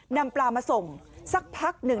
นำปลามาส่งสักพักหนึ่ง